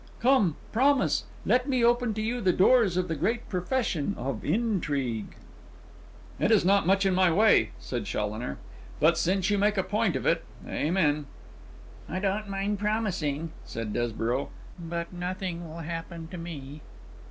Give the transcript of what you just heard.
Come, promise: let me open to you the doors of the great profession of intrigue.' 'It is not much in my way,' said Challoner, 'but, since you make a point of it, amen.' 'I don't mind promising,' said Desborough, 'but nothing will happen to me.